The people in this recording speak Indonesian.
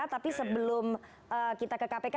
tapi sebelum kita ke kpk